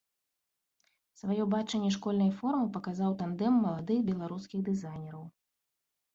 Сваё бачанне школьнай формы паказаў тандэм маладых беларускіх дызайнераў.